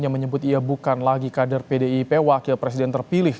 yang menyebut ia bukan lagi kader pdip wakil presiden terpilih